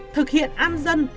thực hiện an dân